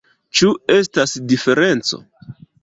Ĉu estas diferenco?